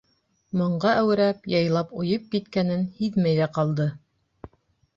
Моңға әүрәп, яйлап ойоп киткәнен һиҙмәй ҙә ҡалды.